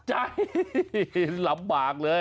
ใจหลับบากเลย